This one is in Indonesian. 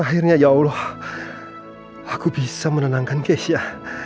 akhirnya ya allah aku bisa menenangkan keisha